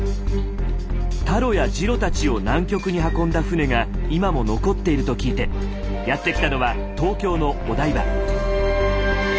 タロやジロたちを南極に運んだ船が今も残っていると聞いてやって来たのは東京のお台場。